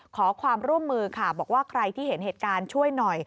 ขอความร่วมมือค่ะบอกว่าใครที่เห็นเหตุการณ์ช่วยหน่อย